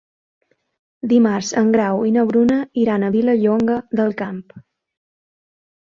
Dimarts en Grau i na Bruna iran a Vilallonga del Camp.